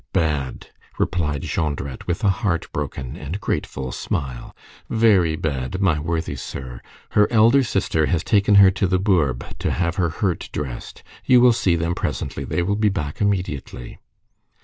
"Bad," replied Jondrette with a heart broken and grateful smile, "very bad, my worthy sir. Her elder sister has taken her to the Bourbe to have her hurt dressed. You will see them presently; they will be back immediately."